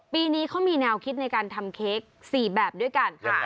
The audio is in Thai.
ปีนี้เขามีแนวคิดในการทำเค้ก๔แบบด้วยกัน